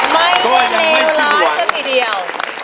ไม่ได้เลวร้อนเท่าที่เดียว